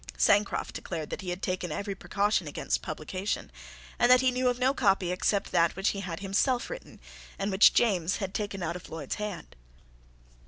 Sancroft declared that he had taken every precaution against publication, and that he knew of no copy except that which he had himself written, and which James had taken out of Lloyd's hand.